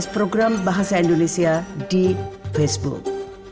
program bahasa indonesia di facebook